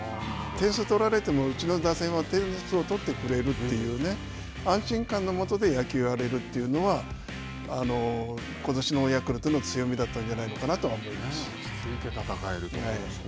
点数を取られてもうちの打線は点数を取ってくれるというね、安心感のもとで野球をやれるというのはことしのヤクルトの強みだったんじゃないかなとそれで戦えると。